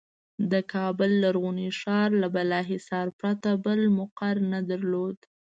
د کابل لرغوني ښار له بالاحصار پرته بل مقر نه درلود.